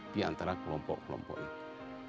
di antara kelompok kelompok itu